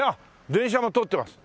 電車が通ってます。